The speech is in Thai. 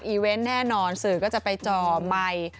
เวนต์แน่นอนสื่อก็จะไปจ่อไมค์